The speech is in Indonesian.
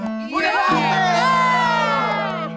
nah aku kena jualan nih